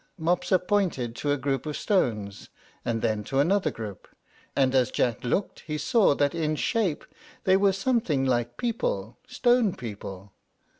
Mopsa pointed to a group of stones, and then to another group, and as Jack looked he saw that in shape they were something like people, stone people.